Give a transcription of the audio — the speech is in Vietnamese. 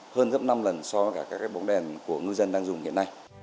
hơn gấp năm lần so với cả các bóng đèn của ngư dân đang dùng hiện nay